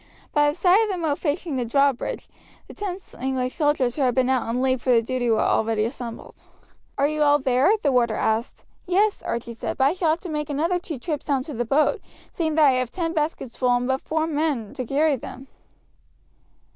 By the side of the moat facing the drawbridge the ten English soldiers who had been out on leave for the day were already assembled. "Are you all there?" the warder asked. "Yes," Archie said, "but I shall have to make another two trips down to the boat, seeing that I have ten baskets full and but four men to carry them."